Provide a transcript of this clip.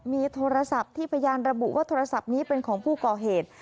มีโทรศัพท์ที่พยานระบุว่าโทรศัพท์นี้เป็นของผู้ก่อเหตุ